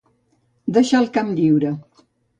Deixar el camp lliure.